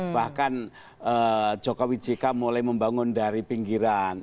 bahkan jokowi jk mulai membangun dari pinggiran